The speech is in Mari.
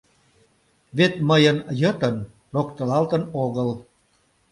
Вет мыйын йытын локтылалтын огыл...